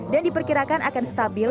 dan diperkirakan akan stabil